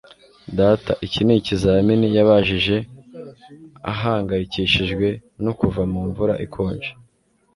Data, iki ni ikizamini?" yabajije, ahangayikishijwe no kuva mu mvura ikonje.